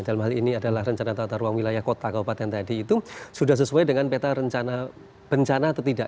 dalam hal ini adalah rencana tata ruang wilayah kota kabupaten tadi itu sudah sesuai dengan peta rencana bencana atau tidak